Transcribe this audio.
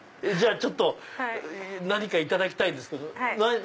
じゃあ何かいただきたいんですけど。